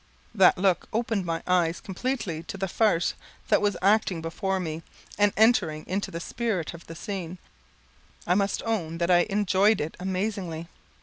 That look opened my eyes completely to the farce that was acting before me, and entering into the spirit of the scene, I must own that I enjoyed it amazingly.